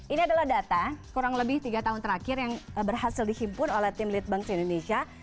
ini adalah data kurang lebih tiga tahun terakhir yang berhasil dihimpun oleh tim lead bank indonesia